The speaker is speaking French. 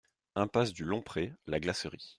Impasse du Long Pré, La Glacerie